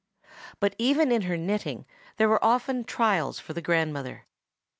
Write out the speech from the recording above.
But even in her knitting there were often trials for the grandmother.